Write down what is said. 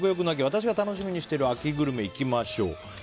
私が楽しみにしている秋グルメいきましょう。